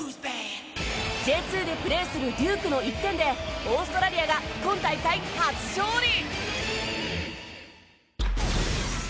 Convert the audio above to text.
Ｊ２でプレーするデュークの１点でオーストラリアが今大会、初勝利！